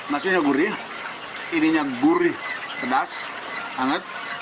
nasinya gurih ininya gurih pedas hangat